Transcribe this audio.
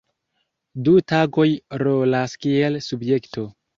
Du tagoj rolas kiel subjekto.